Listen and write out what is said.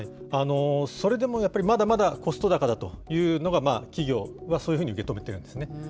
それでもやっぱりまだまだコスト高だというのが企業はそういうふうに受け止めているんですね。